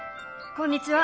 こんにちは！